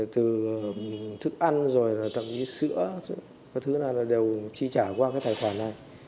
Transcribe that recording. từ thức ăn rồi là tậm chí sữa các thứ này là đều chi trả qua cái tài khoản này